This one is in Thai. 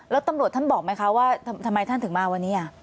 แล้วตำรวจท่านบอกไหมคะว่าทำไมท่านถึงมาวันนี้